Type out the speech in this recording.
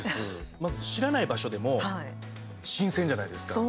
まず、知らない場所でも新鮮じゃないですか。